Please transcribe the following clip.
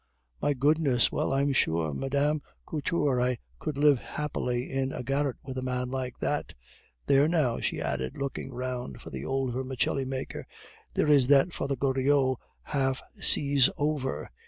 "My goodness! Well, I'm sure! Mme. Couture, I could live happily in a garret with a man like that. There, now!" she added, looking round for the old vermicelli maker, "there is that Father Goriot half seas over.